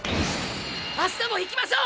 明日もいきましょう！！